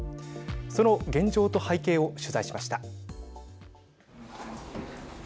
その現状と背景を取材しました。